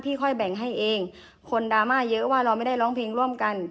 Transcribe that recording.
ค่อยแบ่งให้เองคนดราม่าเยอะว่าเราไม่ได้ร้องเพลงร่วมกัน